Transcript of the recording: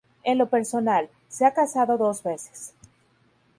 En lo personal, se ha casado dos veces.